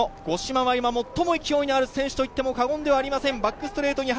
五島は今最も勢いのある選手といっても過言ではありません。